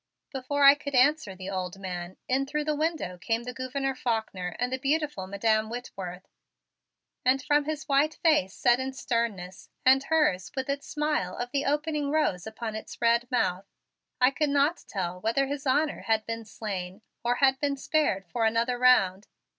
Before I could answer the old man, in through the window came the Gouverneur Faulkner and the beautiful Madam Whitworth, and from his white face set in sternness and hers with its smile of the opening rose upon its red mouth I could not tell whether his honor had been slain or had been spared for another round.